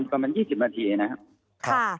ประมาณ๒๐นาทีนะครับ